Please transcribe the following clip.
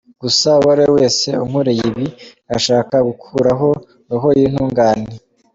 Gusa uwo ari we wese unkoreye ibi arashaka gukuraho Roho y’intungane.